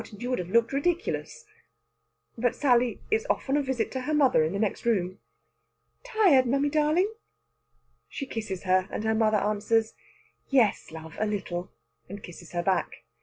And you would have looked ridiculous!" But Sally is off on a visit to her mother in the next room. "Tired, mammy darling?" She kisses her, and her mother answers: "Yes, love, a little," and kisses her back.